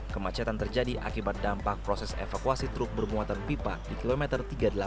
kemacetan terjadi akibat dampak proses evakuasi truk bermuatan pipa di kilometer tiga puluh delapan